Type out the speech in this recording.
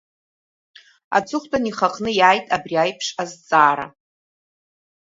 Аҵыхәтәаны ихаҟны иааит абри аиԥш азҵаара…